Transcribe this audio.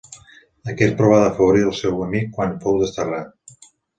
Aquest provà d'afavorir al seu amic quan fou desterrat.